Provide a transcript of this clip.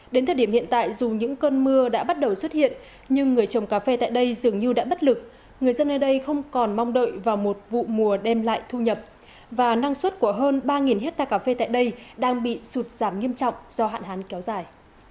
đến thời điểm hiện tại dù những cơn mưa đã bắt đầu xuất hiện nhưng người trồng cà phê tại đây dường như đã bất lực người dân nơi đây không còn mong đợi vào một vụ mùa đem lại thu nhập và năng suất của hơn ba hectare cà phê tại đây đang bị sụt giảm nghiêm trọng do hạn hán kéo dài